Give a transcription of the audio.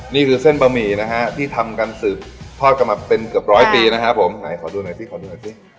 นี่คือเส้นบะหมี่นะฮะที่ทำกันสืบทอดกันมาเป็นเกือบร้อยปีนะครับผมไหนขอดูหน่อยสิขอดูหน่อยสิ